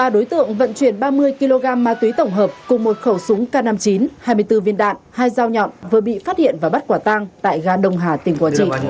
ba đối tượng vận chuyển ba mươi kg ma túy tổng hợp cùng một khẩu súng k năm mươi chín hai mươi bốn viên đạn hai dao nhọn vừa bị phát hiện và bắt quả tang tại ga đông hà tỉnh quảng trị